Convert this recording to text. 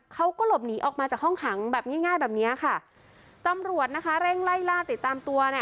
เขาก็หลบหนีออกมาจากห้องขังแบบง่ายง่ายแบบเนี้ยค่ะตำรวจนะคะเร่งไล่ล่าติดตามตัวเนี่ย